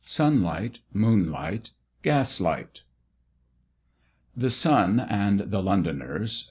Sunlight Moonlight Gaslight. THE SUN AND THE LONDONERS.